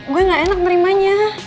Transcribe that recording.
gue gak enak nerimanya